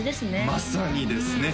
まさにですね